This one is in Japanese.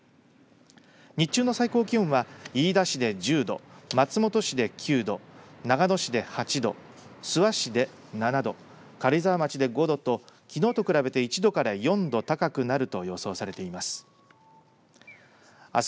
日中の最高気温は飯田市で１０度松本市で９度長野市で８度諏訪市で７度軽井沢町で５度ときのうと比べて１度から４度高くなると予想されています。